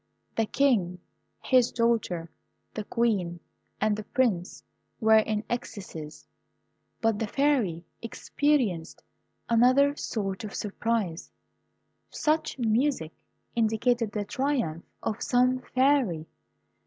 The King, his daughter, the Queen, and the Prince, were in ecstasies, but the Fairy experienced another sort of surprise. Such music indicated the triumph of some Fairy.